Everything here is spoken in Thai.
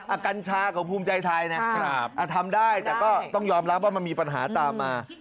กัญชาของภูมิใจไทยนะทำได้แต่ก็ต้องยอมรับว่ามันมีปัญหาตามมา